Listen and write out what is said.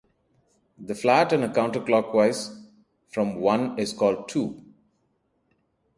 The flat in a counter clockwise from one is called two.